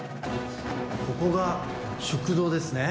ここが食堂ですね。